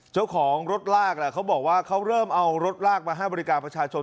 เจ้าของรถลากเขาบอกว่าเขาเริ่มเอารถลากมาให้บริการประชาชน